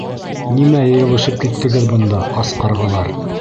— Нимә йыйылышып киттегеҙ бында, ас ҡарғалар?